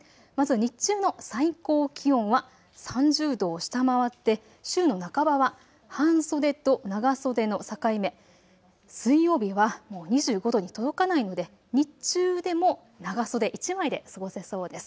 まず日中の最高気温は３０度を下回って週の半ばは半袖と長袖の境目、水曜日は２５度に届かないので日中でも長袖１枚で過ごせそうです。